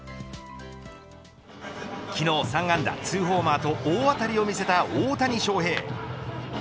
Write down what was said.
昨日、３安打２ホーマーと大当たりを見せた大谷翔平。